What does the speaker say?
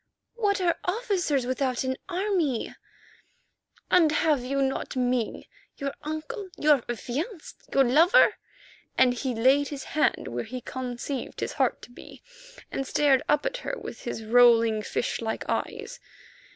"What are officers without an army?" "And have you not me, your uncle, your affianced, your lover?" and he laid his hand where he conceived his heart to be, and stared up at her with his rolling, fish like eyes.